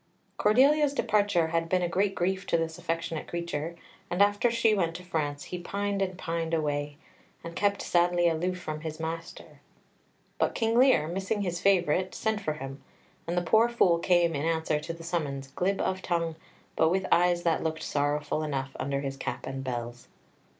Cordelia's departure had been a great grief to this affectionate creature, and after she went to France he pined and pined away, and kept sadly aloof from his master. But King Lear, missing his favourite, sent for him, and the poor Fool came in answer to the summons, glib of tongue, but with eyes that looked sorrowful enough under his cap and bells.